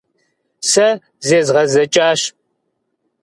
Сэ зезгъэзэкӀащ.